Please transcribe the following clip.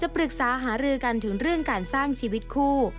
ปรึกษาหารือกันถึงเรื่องการสร้างชีวิตคู่